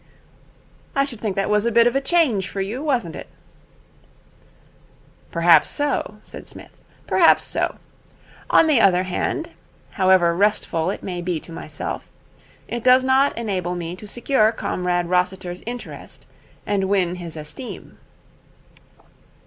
'I should think that was a bit of a change for you, wasn't it?' 'Perhaps, so,' said Psmith, 'perhaps so. On the other hand, however restful it may be to myself, it does not enable me to secure Comrade Rossiter's interest and win his esteem.'